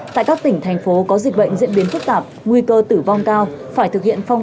tại các tỉnh thành phố có dịch bệnh diễn biến phức tạp nguy cơ tử vong cao phải thực hiện phong